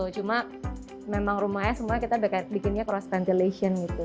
cuma memang rumahnya semua kita bikinnya cross ventilation gitu